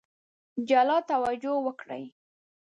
جلا توجه وکړي.